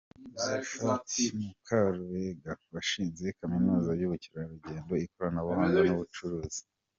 Zulfat Mukarubega, washinze Kaminuza y’Ubukerarugendo, ikoranabuhanga n’ubucuruzi.